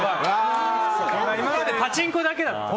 今までパチンコだけだった。